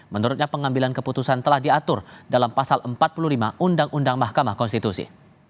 menurutnya pengambilan keputusan telah diatur dalam pasal empat puluh lima undang undang mahkamah konstitusi